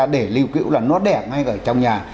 để lưu cữu là nó đẹp ngay ở trong nhà